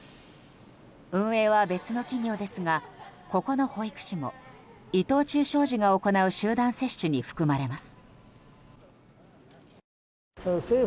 運営は別の企業ですがここの保育士も伊藤忠商事が行う集団接種に含まれます。